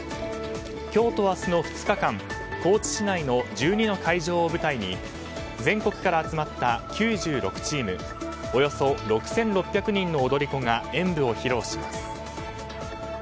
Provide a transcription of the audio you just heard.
今日と明日の２日間高知市内の１２の会場を舞台に全国から集まった９６チームおよそ６６００人の踊り子が演舞を披露します。